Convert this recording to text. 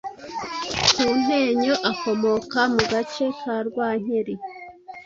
ku Ntenyo akomoka mu gace ka Rwankeri